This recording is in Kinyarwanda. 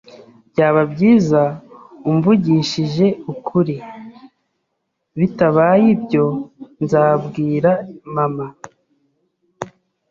Byaba byiza umvugishije ukuri, bitabaye ibyo nzabwira mama.